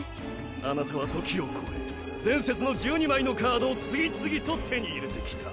あなたは時を超え伝説の１２枚のカードを次々と手に入れてきた。